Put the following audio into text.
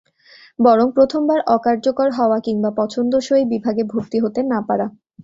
বরং প্রথমবার অকার্যকর হওয়া কিংবা পছন্দসই বিভাগে ভর্তি হতে না পারা।